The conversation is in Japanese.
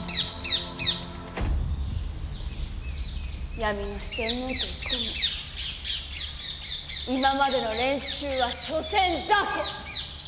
闇の四天王といっても今までの連中はしょせん雑魚！